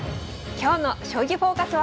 今日の「将棋フォーカス」は。